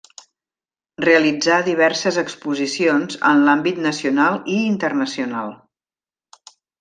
Realitzà diverses exposicions en l’àmbit nacional i internacional.